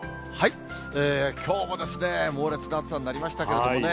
きょうも猛烈な暑さになりましたけれどもね。